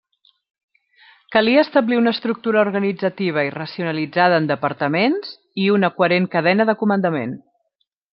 Calia establir una estructura organitzativa i racionalitzada en departaments i una coherent cadena de comandament.